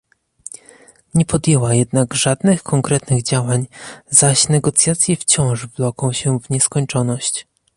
Nie podjęła jednak żadnych konkretnych działań, zaś negocjacje wciąż wloką się w nieskończoność